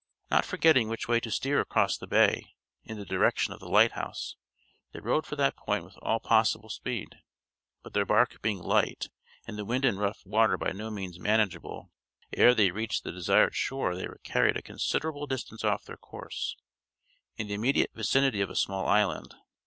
Not forgetting which way to steer across the bay, in the direction of the lighthouse, they rowed for that point with all possible speed, but their bark being light, and the wind and rough water by no means manageable, ere they reached the desired shore they were carried a considerable distance off their course, in the immediate vicinity of a small island.